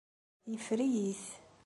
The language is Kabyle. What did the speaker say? Yeffer-iyi-t.